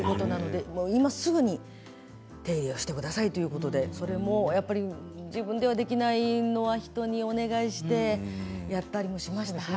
今すぐに手入れをしてくださいということで自分では、できないのは人にお願いしてやったりもしましたね。